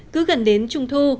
cứ gần đến trung thu